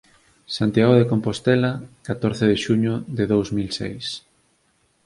Santiago de Compostela, catorce de xuño de dous mil seis.